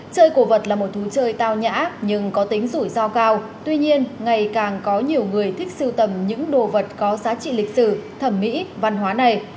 chơi cổ vật là một thú chơi tao nhã nhưng có tính rủi ro cao tuy nhiên ngày càng có nhiều người thích sưu tầm những đồ vật có giá trị lịch sử thẩm mỹ văn hóa này